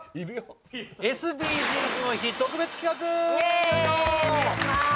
ＳＤＧｓの日特別企画。